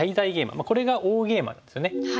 これが大ゲイマなんですよね。